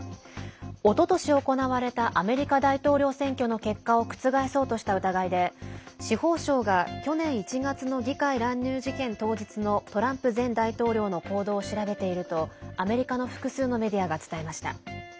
おととし行われたアメリカ大統領選挙の結果を覆そうとした疑いで司法省が去年１月の議会乱入事件当日のトランプ前大統領の行動を調べているとアメリカの複数のメディアが伝えました。